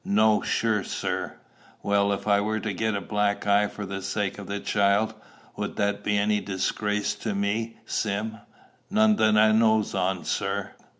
"No, sure, sir." "Well, if I were to get a black eye for the sake of the child, would that be any disgrace to me, Sim?" "None that I knows on, sir.